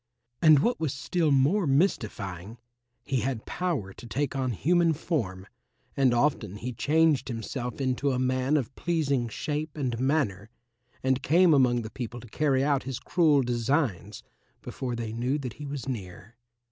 And what was still more mystifying, he had power to take on human form, and often he changed himself into a man of pleasing shape and manner and came among the people to carry out his cruel designs before they knew that he was near.